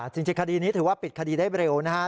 จริงคดีนี้ถือว่าปิดคดีได้เร็วนะครับ